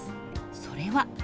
それは。